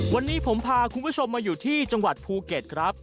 วันนี้ผมพาคุณผู้ชมมาอยู่ที่จังหวัดภูเก็ตครับ